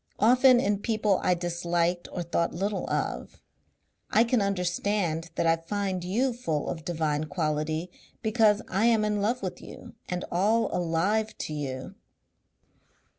Often in people I disliked or thought little of.... I can understand that I find you full of divine quality, because I am in love with you and all alive to you.